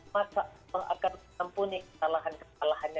maka akan tampunnya kesalahan kesalahannya